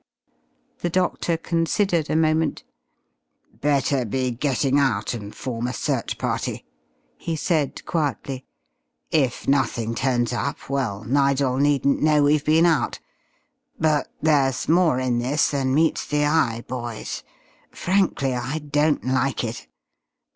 The doctor considered a moment. "Better be getting out and form a search party," he said quietly. "If nothing turns up well, Nigel needn't know we've been out. But there's more in this than meets the eye, boys. Frankly, I don't like it.